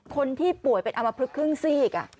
คนที่ป่วยเป็นอมพลึกครึ่งซีก